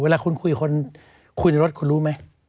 เวลาคุณคุยคนคุยในรถคุณรู้ไหม